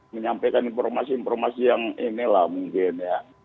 menyampaikan informasi informasi yang inilah mungkin ya